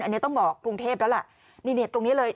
อันนี้ต้องบอกกรุงเทพฯนั่นแหละนิดตรงนี้เลย